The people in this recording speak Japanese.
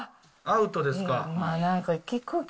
アウトですか。